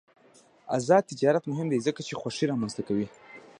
آزاد تجارت مهم دی ځکه چې خوښي رامنځته کوي.